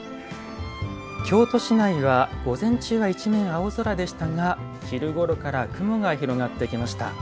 京都市内は午前中は一面青空でしたが昼ごろから雲が広がってきました。